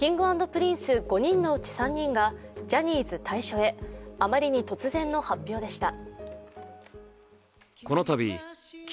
Ｋｉｎｇ＆Ｐｒｉｎｃｅ５人のうち３人がジャニーズ退所へ、あまりに突然の発表でした。